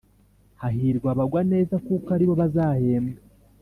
Hahirwa abagwa neza kuko aribo bazahembwa